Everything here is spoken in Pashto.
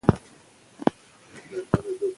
که قلم وي نو تاریخ نه ورکېږي.